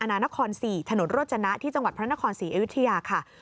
อนาคอน๔ถนนโรจนะที่จังหวัดพระนคร๔เอวิทยาค่ะ